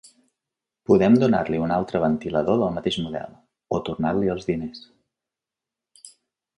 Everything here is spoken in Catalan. Podem donar-li un altre ventilador del mateix model, o tornar-li els diners.